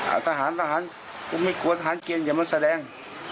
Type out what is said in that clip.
ทหารทหารกูไม่กลัวทหารเกียงอย่ามาแสดง